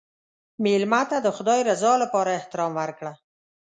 مېلمه ته د خدای رضا لپاره احترام ورکړه.